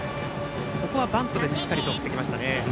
ここはバントでしっかりと送ってきましたね。